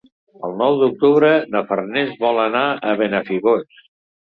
El nou d'octubre na Farners vol anar a Benafigos.